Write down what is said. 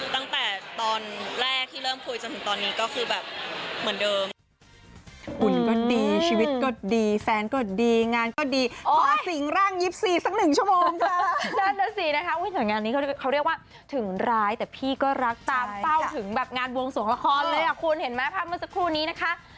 ตั้งแต่ตอนแรกที่เริ่มคุยจนถึงตอนนี้ก็คือแบบเหมือนเดิม